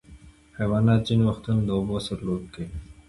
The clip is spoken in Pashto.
حیوانات ځینې وختونه د اوبو سره لوبې کوي.